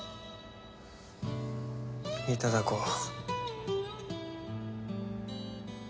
いただこう。